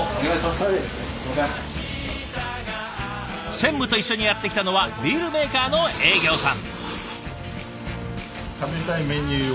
専務と一緒にやってきたのはビールメーカーの営業さん。